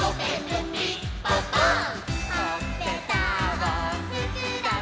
「ほっぺたをふくらませ」